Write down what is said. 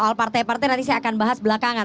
oke nanti saya akan bahas belakangan